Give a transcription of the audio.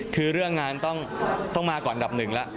คือเรื่องงานต้องมาก่อนอันดับหนึ่งแล้ว